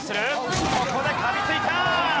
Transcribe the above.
ここで噛みついた！